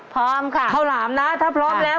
พร้อมค่ะข้าวหลามนะถ้าพร้อมแล้ว